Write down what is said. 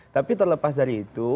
tapi terlepas dari itu